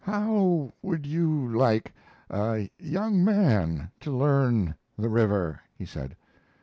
"How would you like a young man to learn the river?" he said.